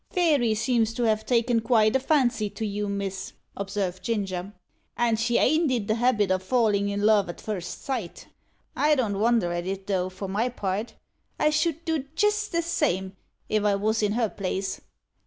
"Fairy seems to have taken quite a fancy to you, miss," observed Ginger; "and she ain't i' the habit o' fallin' i' love at first sight. I don't wonder at it, though, for my part. I should do jist the same, if I wos in her place.